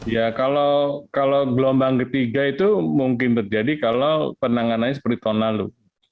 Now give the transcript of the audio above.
ya kalau gelombang ketiga itu mungkin terjadi kalau penanganannya seperti tahun lalu